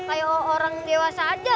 kayak orang dewasa aja